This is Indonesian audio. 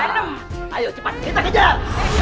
kamu di sini bukan kejar